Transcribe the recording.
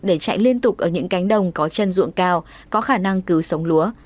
để chạy liên tục ở những cánh đồng có chân ruộng cao có khả năng cứu sống lúa